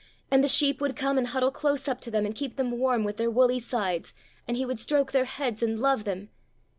And the sheep would come and huddle close up to them, and keep them warm with their woolly sides! and he would stroke their heads and love them!